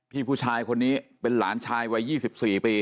ผู้ชายคนนี้เป็นหลานชายวัย๒๔ปี